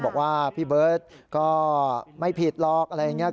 บอกว่าพี่เบิร์ตก็ไม่ผิดหรอกอะไรอย่างนี้